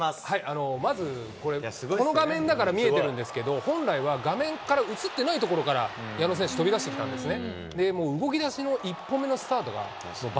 赤星さん、受賞の理由をお願いしまず、これ、この画面だから見えてるんですけど、本来は画面から映ってないところから矢野選手、飛び出してきたんですね。